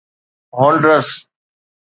Honduras